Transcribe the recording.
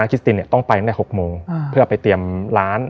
อาคิสตินต้องไปไม่ได้๖โมงเพื่อไปเตรียมร้าน